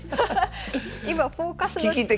今「フォーカス」の。